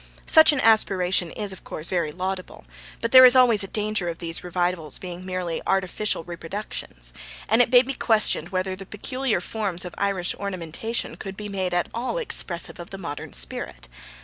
Such an aspiration is, of course, very laudable, but there is always a danger of these revivals being merely artificial reproductions, and it may be questioned whether the peculiar forms of Irish ornamentation could be made at all expressive of the modern spirit.